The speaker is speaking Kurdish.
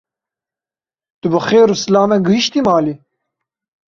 Tu bi xêr û silamet gihîştî malê?